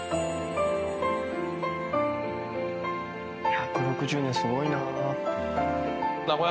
１６０年すごいなあ。